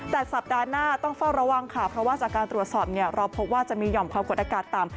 แต่สัปดาห์หน้าต้องเฝ้าระวังค่ะเพราะว่าจากการตรวจสอบเราพบว่าจะมีห่อมความกดอากาศต่ำ